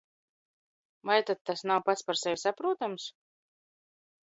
Vai tad tas nav pats par sevi saprotams?